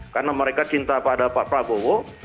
karena mereka cinta pada pak prabowo